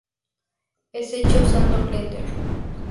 Es hecha usando Blender.